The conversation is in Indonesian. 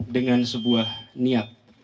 dengan sebuah niat